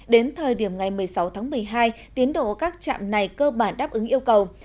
đến thời điểm ngày một mươi sáu tháng một mươi hai tiến độ các trạm này cơ bản đáp ứng yêu cầu